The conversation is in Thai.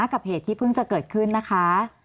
กับเหตุที่เพิ่งจะเกิดขึ้นนะคะ